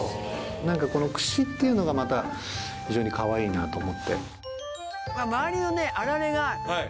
何か串っていうのがまた非常にかわいいなと思って。